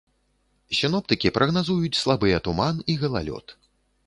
Сіноптыкі прагназуюць слабыя туман і галалёд.